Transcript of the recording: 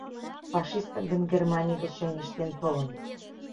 Фашистак гын, Германий гыч чоҥештен толын.